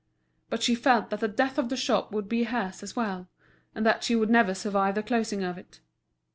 But she felt that the death of the shop would be hers as well, and that she would never survive the closing of it.